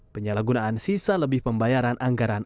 penyalahgunaan sisa lebih pembayaran anggaran